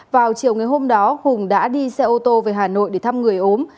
vào chiều ngày hôm đó hùng đã đi xe ô tô về hà nội để thăm người ốm